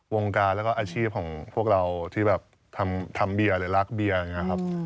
วงการแล้วก็อาชีพของพวกเราที่แบบทำเบียร์หรือรักเบียร์อย่างนี้ครับ